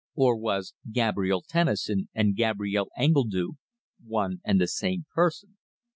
Or was Gabrielle Tennison and Gabrielle Engledue one and the same person?